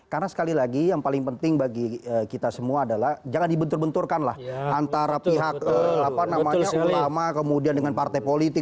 karena sekali lagi yang paling penting bagi kita semua adalah jangan dibentur benturkanlah antara pihak ulama kemudian dengan partai politik